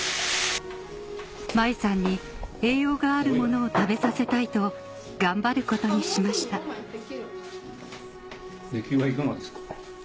舞雪さんに栄養があるものを食べさせたいと頑張ることにしました出来はいかがですか？